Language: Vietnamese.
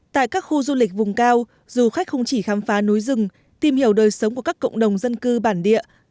tại các khu du lịch vùng cao du khách không chỉ khám phá núi rừng tìm hiểu đời sống của các cộng đồng dân cư bản địa